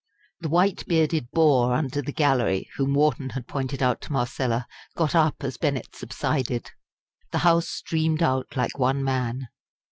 The white bearded bore under the gallery, whom Wharton had pointed out to Marcella, got up as Bennett subsided. The house streamed out like one man.